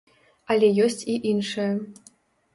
Але ёсць і іншае.